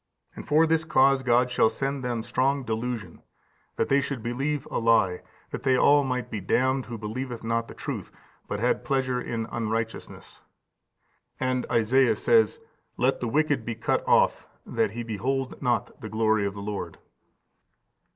And for this cause God shall send them strong delusion, that they should believe a lie: that they all might be damned who believed not the truth, but had pleasure in unrighteousness."15441544 2 Thess. ii. 1–11. And Esaias says, "Let the wicked be cut off, that he behold not the glory of the Lord."